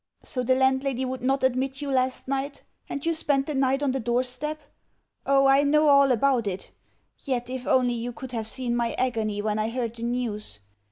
So the landlady would not admit you last night, and you spent the night on the doorstep? Oh, I know all about it. Yet if only you could have seen my agony when I heard the news!...